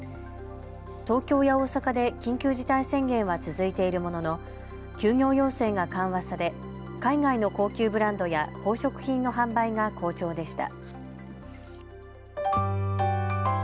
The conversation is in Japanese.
東京や大阪で緊急事態宣言は続いているものの休業要請が緩和され海外の高級ブランドや宝飾品の販売が好調でした。